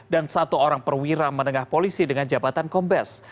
dan satu orang perwira menengah polisi dengan jabatan kombes